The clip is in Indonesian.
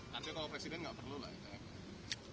nanti kalau presiden nggak perlu lah